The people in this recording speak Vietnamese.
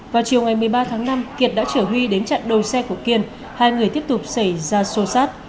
vào chiều ngày một mươi ba tháng năm kiệt đã trở huy đến trận đôi xe của kiên hai người tiếp tục xảy ra sô sát